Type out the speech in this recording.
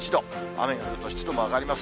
雨が降ると湿度も上がります。